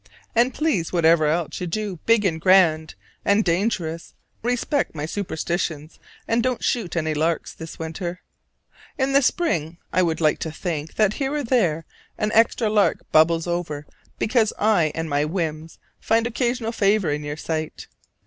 And please, whatever else you do big and grand and dangerous, respect my superstitions and don't shoot any larks this winter. In the spring I would like to think that here or there an extra lark bubbles over because I and my whims find occasional favor in your sight.